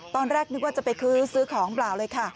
ตอนแรกนึกว่าจะไปซื้อของเปล่าเลยค่ะ